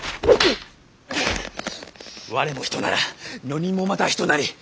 我も人なら女人もまた人なり！